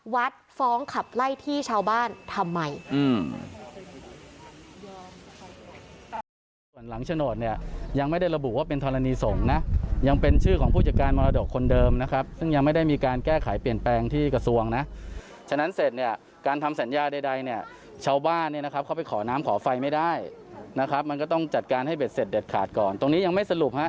ฟ้องขับไล่ที่ชาวบ้านทำไม